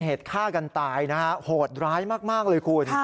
เหตุฆ่ากันตายนะฮะโหดร้ายมากเลยคุณ